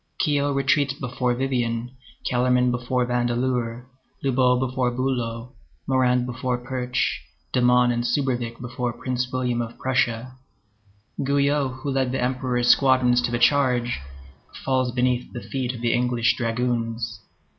Quiot retreats before Vivian, Kellermann before Vandeleur, Lobau before Bülow, Morand before Pirch, Domon and Subervic before Prince William of Prussia; Guyot, who led the Emperor's squadrons to the charge, falls beneath the feet of the English dragoons.